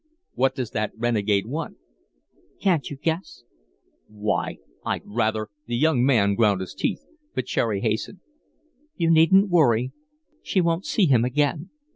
"What does that renegade want?" "Can't you guess?" "Why, I'd rather " The young man ground his teeth, but Cherry hastened. "You needn't worry; she won't see him again.